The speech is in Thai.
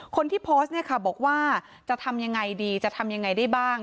คนที่โพสต์เนี่ยค่ะบอกว่าจะทำยังไงดีจะทำยังไงได้บ้าง